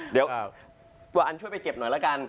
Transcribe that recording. เดี๋ยวตัวอันช่วยไปเก็บหน่อยละกัน